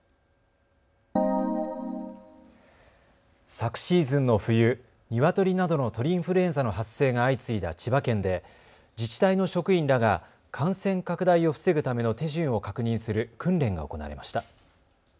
昨シーズンの冬、ニワトリなどの鳥インフルエンザの発生が相次いだ千葉県で自治体の職員らが感染拡大を防ぐための手順を確認する訓練が行われました。